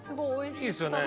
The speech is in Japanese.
いいですよね